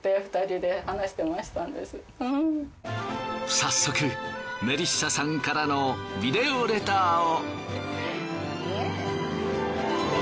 早速メリッサさんからのビデオレターを。